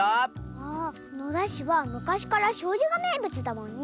ああ野田市はむかしからしょうゆがめいぶつだもんね。